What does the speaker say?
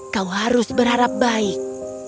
kau harus berharap baik